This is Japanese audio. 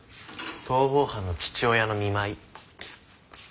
逃亡犯の父親の見舞い。